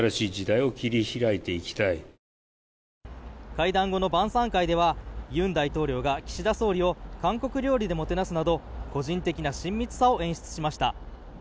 会談後の晩さん会では尹大統領が岸田総理を韓国料理でもてなすなど個人的な親密さを演出しました。